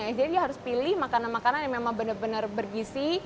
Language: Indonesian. jadi dia harus pilih makanan makanan yang memang benar benar bergisi